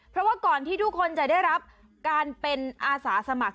เพราะว่าก่อนที่ทุกคนจะได้รับการเป็นอาสาสมัคร